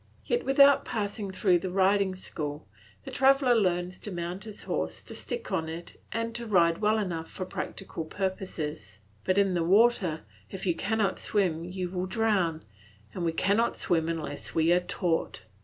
Yet without passing through the riding school, the traveller learns to mount his horse, to stick on it, and to ride well enough for practical purposes; but in the water if you cannot swim you will drown, and we cannot swim unless we are taught.